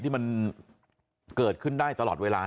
ที่มันเกิดขึ้นได้ตลอดเวลา